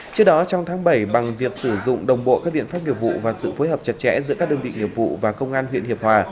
trước đó trong tháng bảy bằng việc sử dụng đồng bộ các biện pháp nghiệp vụ và sự phối hợp chặt chẽ giữa các đơn vị nghiệp vụ và công an huyện hiệp hòa